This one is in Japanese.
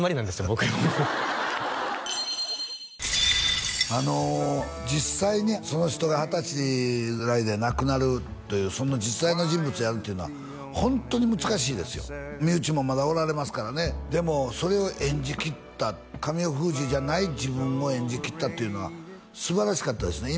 僕ら実際にその人が２０歳ぐらいで亡くなるというそんな実在の人物やるというのはホントに難しいですよ身内もまだおられますからねでもそれを演じきった神尾楓珠じゃない自分を演じきったっていうのはすばらしかったですね